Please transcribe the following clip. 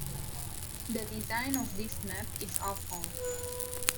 The design of this map is awful.